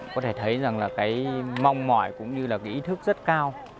có thể thấy mong mỏi cũng như ý thức rất cao